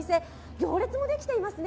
行列ができていますね。